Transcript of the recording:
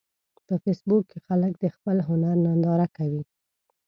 په فېسبوک کې خلک د خپل هنر ننداره کوي